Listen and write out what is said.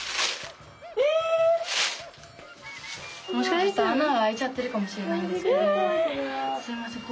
もしかしたら穴が開いちゃってるかもしれないんですけどもすみません